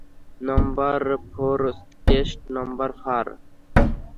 Number four chest number four?